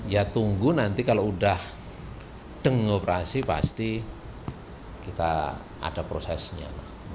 ya tunggu nanti kalau udah deng operasi pasti kita ada prosesnya